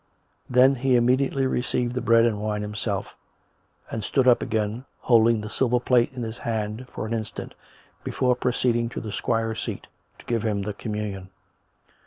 Then he immediately received the bread and wine himself, and stood up again, holding the silver plate in his hand for an instant, before proceeding to the squire's seat to give him the communion.